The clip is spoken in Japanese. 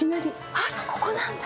あっここなんだ！